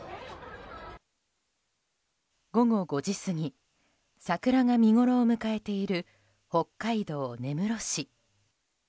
午後５時過ぎ桜が見ごろを迎えている北海道根室市。